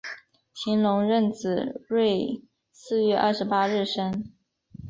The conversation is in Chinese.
乾隆壬子闰四月二十八日生。